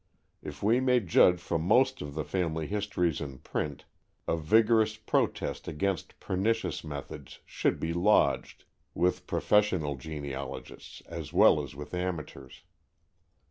If we may judge from most of the family histories in print, a vigorous protest against pernicious methods should be lodged with professional genealogists as well as with amateurs.